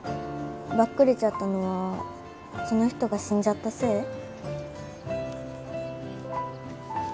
ばっくれちゃったのはその人が死んじゃったせい？